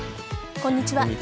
こんにちは。